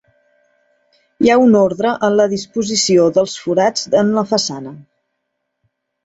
Hi ha un ordre en la disposició dels forats en la façana.